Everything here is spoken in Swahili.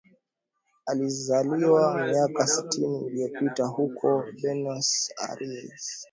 Alizaliwa miaka sitini iliyopita huko Buenos Aires